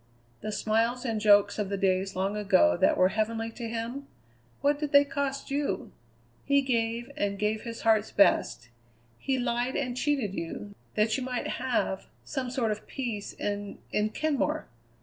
The smiles and jokes of the days long ago that were heavenly to him what did they cost you? He gave, and gave his heart's best; he lied and cheated you, that you might have some sort of peace in in Kenmore.